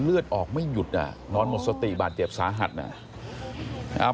เลือดออกไม่หยุดอ่ะนอนหมดสติบาดเจ็บสาหัสอ่ะ